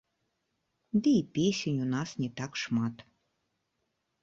Ды і песень у нас не так шмат.